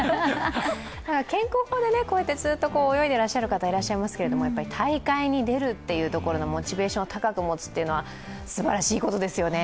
健康法でずっと泳いでらっしゃる方いますけど大会に出るっていうところのモチベーションを高く持つっていうのはすばらしいことですよね。